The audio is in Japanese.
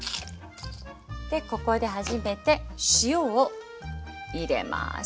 でここで初めて塩を入れます。